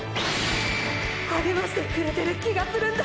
励ましてくれてる気がするんだ！！